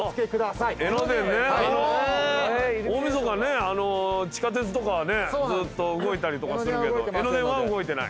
大晦日ね地下鉄とかはねずっと動いたりとかするけど江ノ電は動いてない。